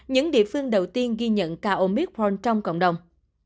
những địa phương đầu tiên ghi nhận ca omicron trong cộng đồng